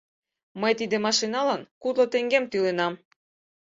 — Мый тиде машинылан кудло теҥгем тӱленам.